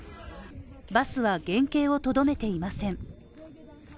バスは原形をとどめていません。